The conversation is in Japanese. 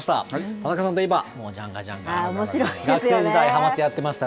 田中さんといえば、もう、ジャンガジャンガジャンガ、学生時代はまってやってました。